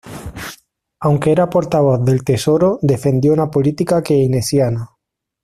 Aunque era portavoz del Tesoro, defendió una política keynesiana.